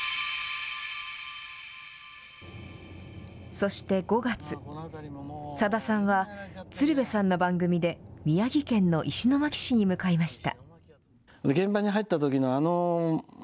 そして５月、さださんは、鶴瓶さんの番組で宮城県の石巻市に向かいました。